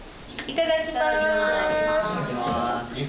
いただきます。